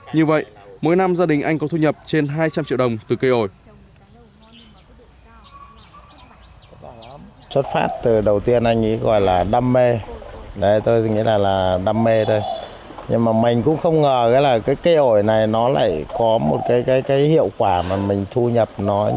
như vậy mỗi năm gia đình anh có thu nhập